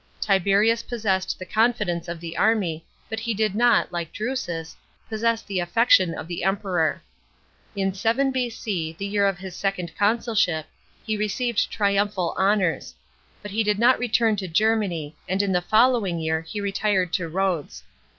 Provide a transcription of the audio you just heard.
Tiberius p ssessed the confidence of the army, but he <lid not, like Orusrs, possess the affection of the Emperor. In 7 B.C., the year of his second consulship, he received triumphal honours; but he did not return to Germany, and in the following year he retired to Rhodes.